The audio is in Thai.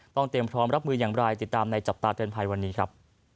เตรียมพร้อมรับมืออย่างไรติดตามในจับตาเตือนภัยวันนี้ครับ